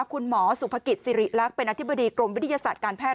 คุณหมอสุภกิจสิริรักษ์เป็นอธิบดีกรมวิทยาศาสตร์การแพท